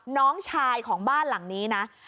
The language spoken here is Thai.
น้องชายของบ้านหลังนี้นะ